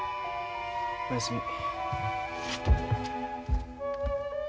おやすみ。